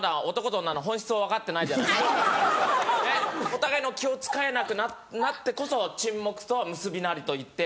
お互いの気を使えなくなってこそ沈黙とは結びなりといって。